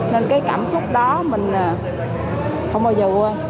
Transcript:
nên cái cảm xúc đó mình không bao giờ quên